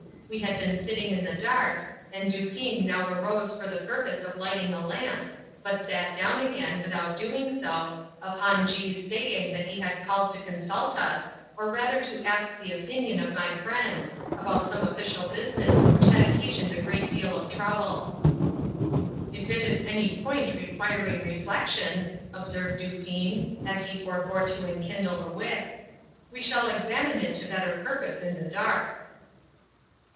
We had been sitting in the dark, and Dupin now arose for the purpose of lighting a lamp, but sat down again, without doing so, upon G.'s saying that he had called to consult us, or rather to ask the opinion of my friend, about some official business which had occasioned a great deal of trouble. "If it is any point requiring reflection," observed Dupin, as he forebore to enkindle the wick, "we shall examine it to better purpose in the dark."